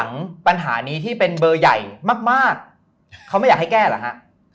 ปัญหานี้ที่เป็นเบอร์ใหญ่มากมากเขาไม่อยากให้แก้เหรอฮะ